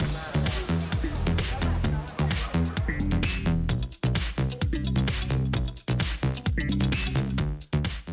นะครับ